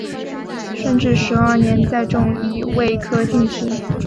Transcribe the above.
顺治十二年再中乙未科进士。